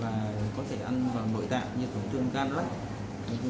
và có thể ăn vào nội tạng như tổn thương gan lách